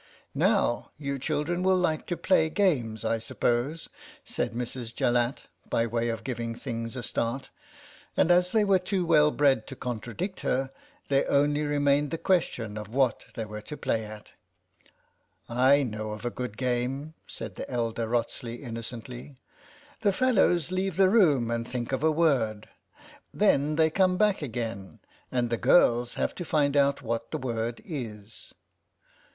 '^Now, you children will like to play games, I suppose," said Mrs. Jallatt, by way of giving things a start, and as they were too well bred to contradict her there only remained the question of what they were to play at. " I know of a good game," said the elder Wrotsley innocently. " The fellows leave the room and think of a word ; then they come back again, and the girls have to find out what the word is."